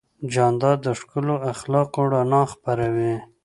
جانداد د ښکلو اخلاقو رڼا خپروي.